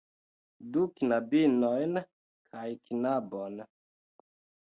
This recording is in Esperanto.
Du knabinojn kaj knabon.